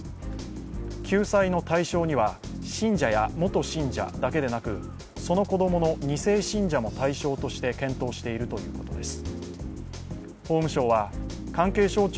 救済の対象には、信者や元信者だけでなく、その子供の２世信者も対象として検討しているということです。